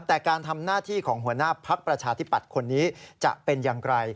แต่การทำหน้าที่ของหัวหน้าพักประชาธิปัตย์คนนี้จะเป็นอย่างไร